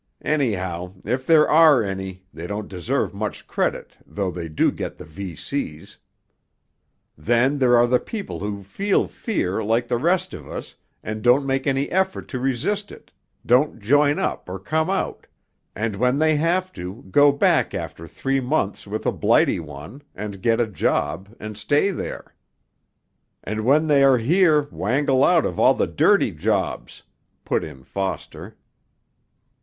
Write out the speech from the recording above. Anyhow, if there are any they don't deserve much credit though they do get the V.C.'s. Then there are the people who feel fear like the rest of us and don't make any effort to resist it, don't join up or come out, and when they have to, go back after three months with a blighty one, and get a job, and stay there ' 'And when they are here wangle out of all the dirty jobs,' put in Foster.